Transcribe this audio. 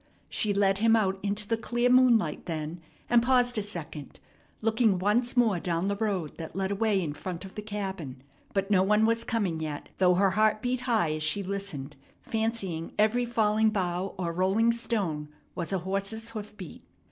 She led him out into the clear moonlight then, and paused a second, looking once more down the road that led away in front of the cabin; but no one was coming yet, though her heart beat high as she listened, fancying every falling bough or rolling stone was a horse's hoof beat.